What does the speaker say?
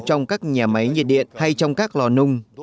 trong các nhà máy nhiệt điện hay trong các lò nung